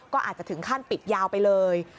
ก็อาจจะถึงขั้นปิดยาวไปเลย